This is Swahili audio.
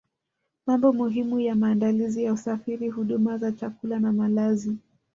Mambo muhimu ya maandalizi ya usafiri huduma za chakula na malazi